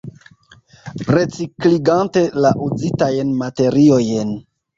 Recikligante la uzitajn materiojn.